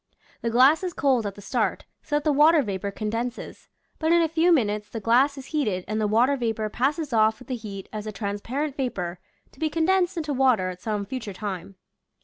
The glass is cold at the start, so that the water vapor condenses, but in a few minutes the glass is heated and the water vapor passes off v.ith the heat as a transparent vapor to be condensed into water at some future time.